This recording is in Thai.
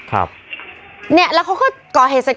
แล้วเค้าก็ก่อเหตุศักดิกัน